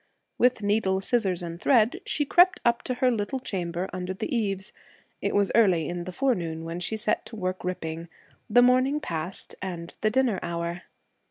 With needle, scissors and thread, she crept up to her little chamber under the eaves. It was early in the forenoon when she set to work ripping. The morning passed, and the dinner hour.